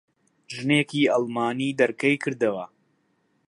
ژنێکی ئەڵمانی دەرکەی کردەوە.